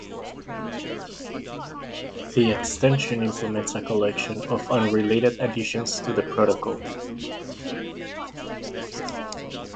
The extension implements a collection of unrelated additions to the protocol.